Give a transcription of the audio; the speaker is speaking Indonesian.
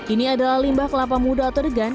ini adalah limbah kelapa muda atau degan